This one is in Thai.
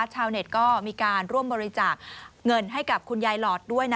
ชาวเน็ตก็มีการร่วมบริจาคเงินให้กับคุณยายหลอดด้วยนะ